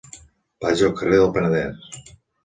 Vaig al carrer del Penedès.